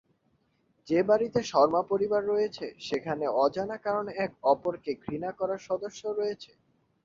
যে বাড়িতে শর্মা পরিবার রয়েছে, সেখানে অজানা কারণে একে অপরকে ঘৃণা করার সদস্য রয়েছে।